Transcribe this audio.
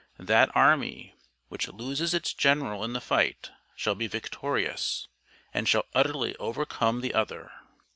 That army which loses its gen eral in the fight shall be victorious and shall utterly overcome the other.'